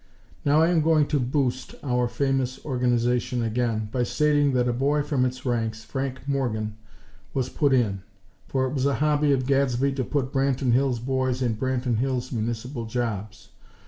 Now I am going to boost our famous Organization again, by stating that a boy from its ranks, Frank Morgan, was put in; for it was a hobby of Gadsby to put Branton Hills boys in Branton Hills Municipal jobs.